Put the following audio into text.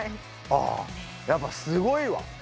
ああ、やっぱすごいわ。